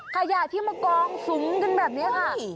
ขยะที่มากองสุมกันแบบนี้ค่ะ